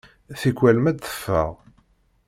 Tikwal ma d-teffeɣ.